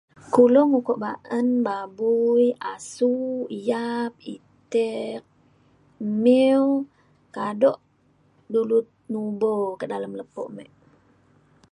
kulong ukok ba’an babui asu yap itik mew kado dulu nubo kak dalem lepo me